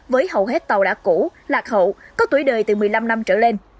với hầu hết tàu đã cũ lạc hậu có tuổi đời từ một mươi năm năm trở lên